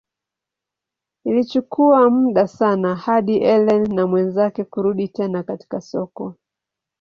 Ilichukua muda sana hadi Ellen na mwenzake kurudi tena katika soko.